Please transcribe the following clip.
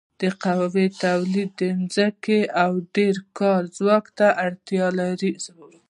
د قهوې تولید ځمکو او ډېر کاري ځواک ته اړتیا لرله.